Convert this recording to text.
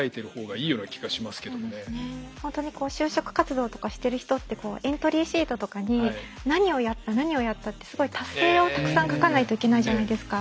本当にこう就職活動とかしてる人ってエントリーシートとかに何をやった何をやったってすごい達成をたくさん書かないといけないじゃないですか。